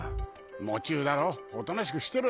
喪中だろおとなしくしてろよ。